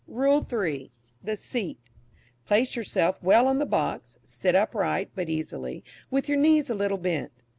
RULE III. THE SEAT. Place yourself well on the box, sit upright, but easily, with your knees a little bent.